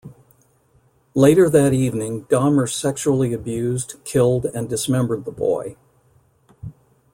Later that evening Dahmer sexually abused, killed, and dismembered the boy.